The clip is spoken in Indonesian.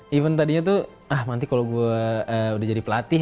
dan even tadinya tuh ah nanti kalau gue udah jadi pelatih